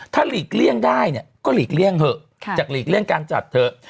ถ้าหลีกเลี่ยงได้เนี่ยก็หลีกเลี่ยงเถอะจากหลีกเลี่ยงการจัดเถอะ